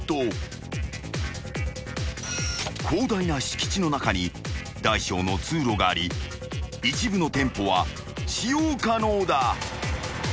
［広大な敷地の中に大小の通路があり一部の店舗は使用可能だ］